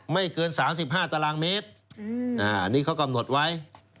ไม่เกิน๓๕ตารางเมตรอันนี้เขากำหนดไว้